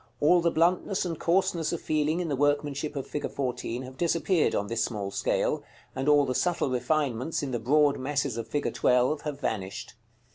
All the bluntness and coarseness of feeling in the workmanship of fig. 14 have disappeared on this small scale, and all the subtle refinements in the broad masses of fig. 12 have vanished.